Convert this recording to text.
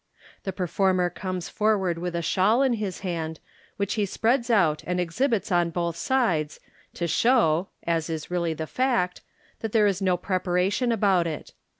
The performer comes forward with a shawl in his hand, which he spreads out and exhibits on both sides, to show (as is really the fact) that there is no preparation about it.